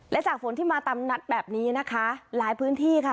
และจากฝนที่มาตามนัดแบบนี้นะคะหลายพื้นที่ค่ะ